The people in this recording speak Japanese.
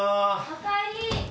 おかえり。